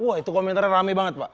wah itu komentarnya rame banget pak